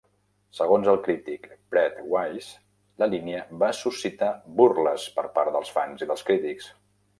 Segons el crític Brett Weiss, la línia "va suscitar burles per part dels fans i dels crítics".